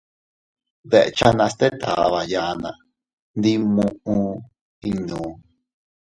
Deʼechanas tet aʼaba yanna, ndi muʼu iynuu.